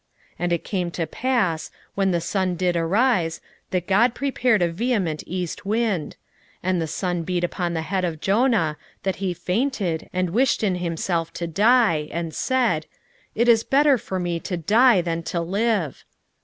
4:8 And it came to pass, when the sun did arise, that God prepared a vehement east wind; and the sun beat upon the head of Jonah, that he fainted, and wished in himself to die, and said, It is better for me to die than to live.